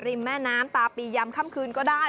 แม่น้ำตาปียำค่ำคืนก็ได้